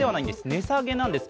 値下げなんです。